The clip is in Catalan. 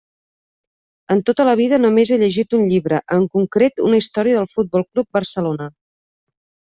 En tota la vida només he llegit un llibre, en concret una història del Futbol Club Barcelona.